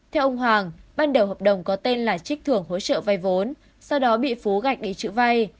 theo ông hoàng ban đầu hợp đồng có tên là trích thưởng hỗ trợ vai vốn sau đó bị phú gạch ghi chữ vai